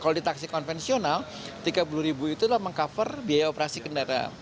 kalau di taksi konvensional rp tiga puluh ribu itu adalah meng cover biaya operasi kendaraan